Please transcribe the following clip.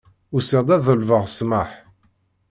Usiɣ-d ad ḍelbeɣ ssmaḥ.